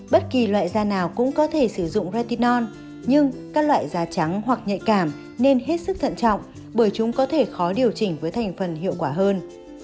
bất kỳ loại da nào cũng có thể sử dụng retion nhưng các loại da trắng hoặc nhạy cảm nên hết sức thận trọng bởi chúng có thể khó điều chỉnh với thành phần hiệu quả hơn